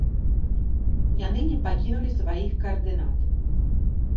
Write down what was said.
Яны не пакінулі сваіх каардынат.